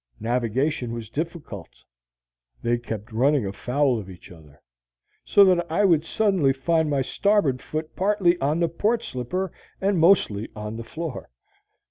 Navigation was difficult. They kept running afoul of each other; so that I would suddenly find my starboard foot partly on the port slipper and mostly on the floor.